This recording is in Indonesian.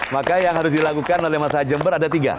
maka yang harus dilakukan oleh masa jember ada tiga